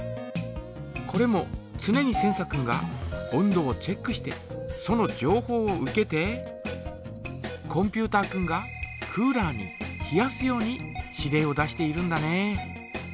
これもつねにセンサ君が温度をチェックしてそのじょうほうを受けてコンピュータ君がクーラーに冷やすように指令を出しているんだね。